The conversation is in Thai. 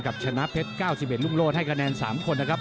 กับชนะเพชร๙๑ลูกโลดให้คะแนน๓คนนะครับ